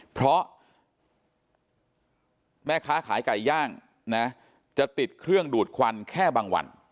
เพราะแม่ค้าขายไก่ย่างนะจะติดเครื่องดูดควันแค่บางวัน